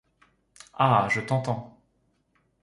Ah ! je t’entends.